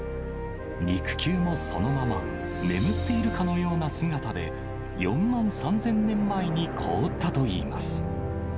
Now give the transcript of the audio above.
肉球もそのまま、眠っているかのような姿で、４万３０００年前に凍ったといいます。